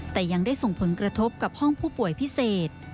แต่ยังได้ส่งผลกระทบกับห้องผู้ป่วยพิเศษ